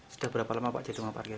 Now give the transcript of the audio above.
sudah berapa lama pak jadi mau parkir